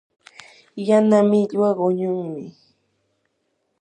yana millwa quñunmi.